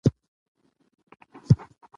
څو ملګري را روان دي.